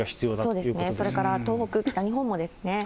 そうですね、それから東北、北日本もですね。